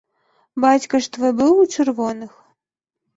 Бацька ж твой быў у чырвоных?!